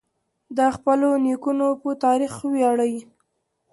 د خپلو نیکونو په تاریخ وویاړئ.